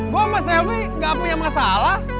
gue sama selfie gak punya masalah